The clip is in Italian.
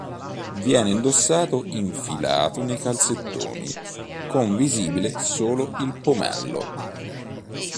Viene indossato infilato nei calzettoni, con visibile solo il pomello.